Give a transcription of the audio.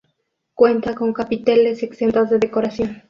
Cuenta con capiteles exentos de decoración.